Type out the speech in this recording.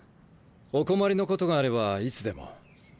お困りのことがあればいつでも。